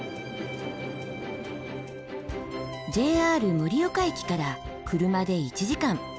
ＪＲ盛岡駅から車で１時間。